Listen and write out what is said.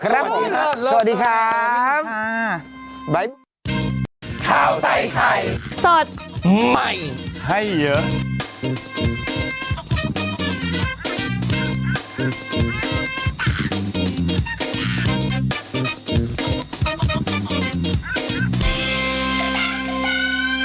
ครับผมสวัสดีครับสวัสดีค่ะสวัสดีค่ะบ๊ายบาย